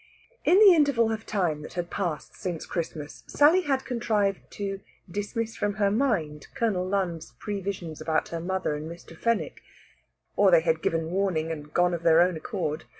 In the interval of time that had passed since Christmas Sally had contrived to "dismiss from her mind" Colonel Lund's previsions about her mother and Mr. Fenwick. Or they had given warning, and gone of their own accord.